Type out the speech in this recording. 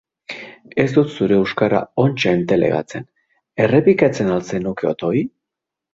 Ez dut zure euskara ontsa entelegatzen, errepikatzen ahal zenuke otoi?